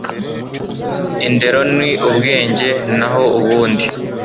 indero ni ubwenge naho ubundi